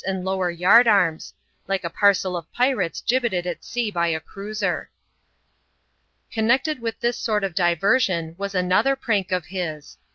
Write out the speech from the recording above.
XL and lower yard arms, like a parcel of pirates gibbeted at sea by a cruiser. Connected with this sort of diversion, was another prank of his.